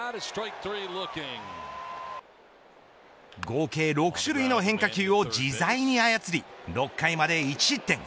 合計６種類の変化球を自在に操り６回まで１失点。